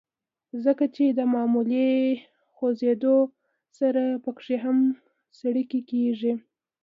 ځکه چې د معمولي خوزېدو سره پکښې هم څړيکې کيږي